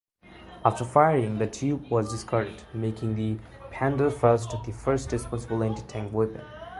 After firing, the tube was discarded, making the "Panzerfaust" the first disposable anti-tank weapon.